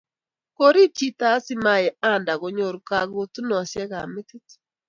Korib chito asimaye Anda konyor kakutunosiekab metit